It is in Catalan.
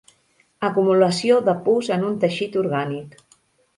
Acumulació de pus en un teixit orgànic.